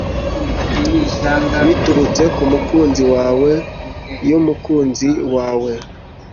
Biturutse ku mukunzi wawe y'umukunzi wawe